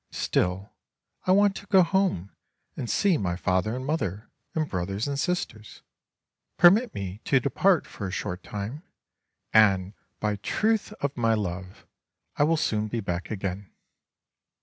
Still I want to go home and see my father and mother and brothers and sisters. Permit me to depart for a short time, and, by the truth of my love, I will soon be back again."